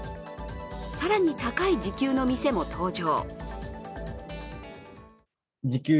更に高い時給の店も登場。